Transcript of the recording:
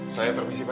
saya permisi pak